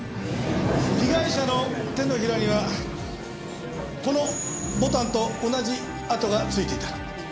被害者の手のひらにはこのボタンと同じ痕がついていた。